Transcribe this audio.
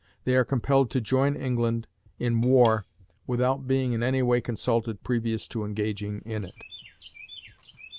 They are compelled to join England in war without being in any way consulted previous to engaging in it.